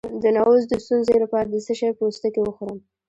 د نعوظ د ستونزې لپاره د څه شي پوستکی وخورم؟